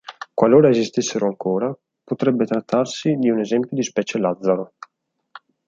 Qualora esistessero ancora, potrebbe trattarsi di un esempio di specie Lazzaro.